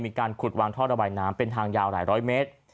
มีการขุดวางท่อระบายน้ำเป็นทางยาวหลายร้อยเมตร